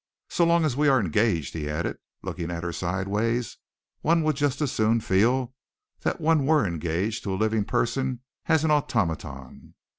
So long as we are engaged," he added, looking at her sideways, "one would just as soon feel that one were engaged to a living person as an automaton."